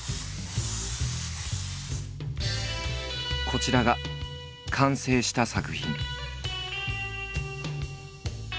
こちらが完成した作品。